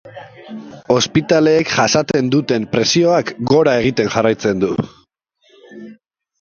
Ospitaleek jasaten duten presioak gora egiten jarraitzen du.